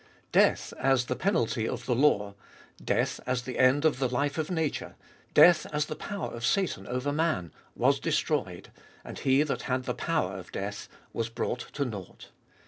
Death, as the penalty of ttbe Doliest of ail 97 the law, death as the end of the life of nature, death as the power of Satan over man, was destroyed, and he that had the power of death was brought to nought.